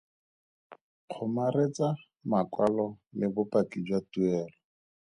Kgomaretsa makwalo le bopaki jwa tuelo.